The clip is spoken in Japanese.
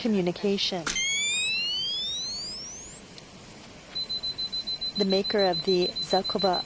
新型コロナウイルス。